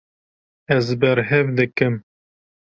Ez berhev dikim.